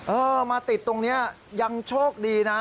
เออมาติดตรงนี้ยังโชคดีนะ